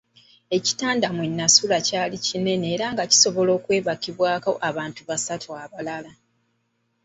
Ekitanda mwe nasula kyali kinene era nga kisobola okwebakibwako abantu basatu abalala.